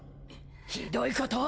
ひどいことを！